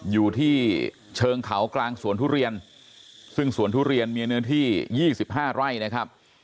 อยู่ที่เชิงเขากลางสวนทุเรียนซึ่งสวนทุเรียนมีเนื้อที่๒๕ไร่นะครับ